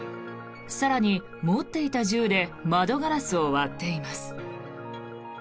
更に持っていた銃で窓ガラスを割っています。